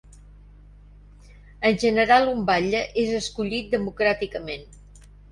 En general, un batlle és escollit democràticament.